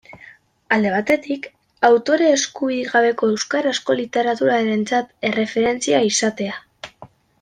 Alde batetik, autore-eskubide gabeko euskarazko literaturarentzat erreferentzia izatea.